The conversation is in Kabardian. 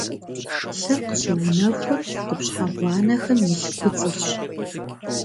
Лъыр къыщыунэхур къупщхьэ гъуанэхэм илъ куцӏырщ.